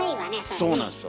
そうなんですよ